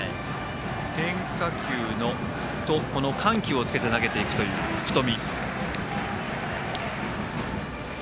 変化球とこの緩急をつけて投げていく福冨。